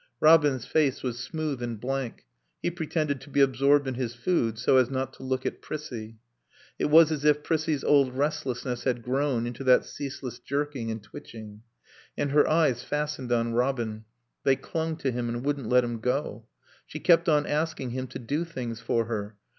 Robin's face was smooth and blank; he pretended to be absorbed in his food, so as not to look at Prissie. It was as if Prissie's old restlessness had grown into that ceaseless jerking and twitching. And her eyes fastened on Robin; they clung to him and wouldn't let him go. She kept on asking him to do things for her.